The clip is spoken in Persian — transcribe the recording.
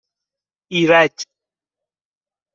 ایرج